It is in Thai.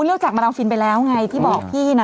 คุณเลี่ยวจักบรรดาฮิลไปแล้วไงที่บอกพี่นะ